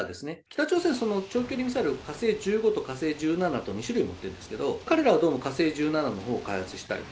北朝鮮、その長距離ミサイル、火星１５と火星１７と２種類持ってるんですけれども、彼らはどうも火星１７のほうを開発したい。